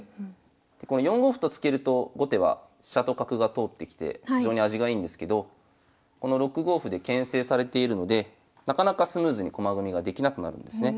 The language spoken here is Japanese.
この４五歩と突けると後手は飛車と角が通ってきて非常に味がいいんですけどこの６五歩でけん制されているのでなかなかスムーズに駒組みができなくなるんですね。